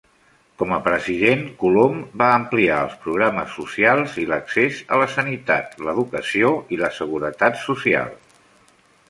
Com a president, Colom va ampliar els programes socials i l'accés a la sanitat, l'educació i la seguretat social.